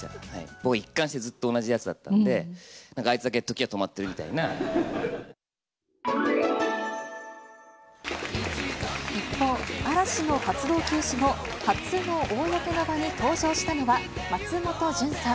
僕は一貫して同じやつだったんで、なんかあいつだけ時が止まってる一方、嵐の活動休止後、初の公の場に登場したのは松本潤さん。